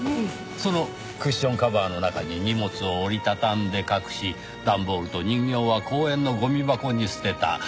そのクッションカバーの中に荷物を折り畳んで隠し段ボールと人形は公園のゴミ箱に捨てた。